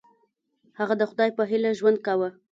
هغه د خدای په هیله ژوند کاوه.